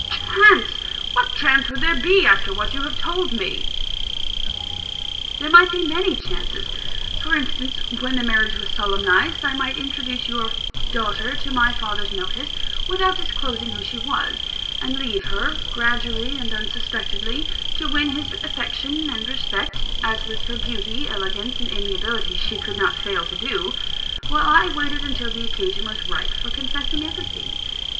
Chance! what chance would there be, after what you have told me?" "There might be many chances. For instance, when the marriage was solemnised, I might introduce your daughter to my father's notice without disclosing who she was and leave her, gradually and unsuspectedly, to win his affection and respect (as with her beauty, elegance, and amiability, she could not fail to do), while I waited until the occasion was ripe for confessing everything.